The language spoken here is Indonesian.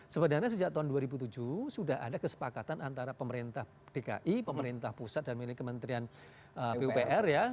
sebenarnya sejak tahun dua ribu tujuh sudah ada kesepakatan antara pemerintah dki pemerintah pusat dan milik kementerian pupr ya